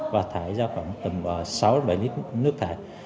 và thải ra khoảng tầm sáu bảy lít nước thải